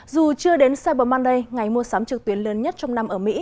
dù chưa đến cyber manday ngày mua sắm trực tuyến lớn nhất trong năm ở mỹ